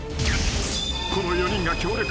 ［この４人が協力。